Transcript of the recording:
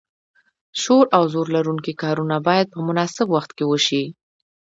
شور او زور لرونکي کارونه باید په مناسب وخت کې وشي.